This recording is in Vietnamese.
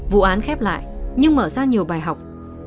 vụ án khép lại nhưng mở ra nhiều bài học